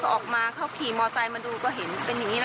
ออกมาเขาขี่มอไซค์มาดูก็เห็นเป็นอย่างนี้นะ